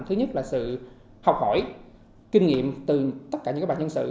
thứ nhất là sự học hỏi kinh nghiệm từ tất cả những bà nhân sự